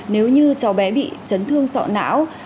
nếu như cháu bé bị trấn thương sọ não